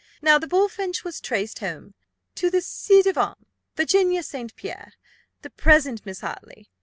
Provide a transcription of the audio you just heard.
Now the bullfinch was traced home to the ci devant Virginia St. Pierre, the present Miss Hartley.